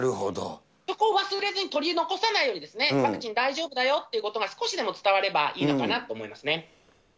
そこを忘れずに、取り残さないように、ワクチン大丈夫だよということが少しでも伝わればいいのかなと思います。